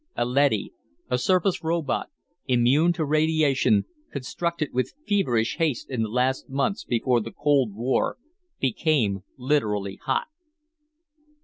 A leady, a surface robot, immune to radiation, constructed with feverish haste in the last months before the cold war became literally hot.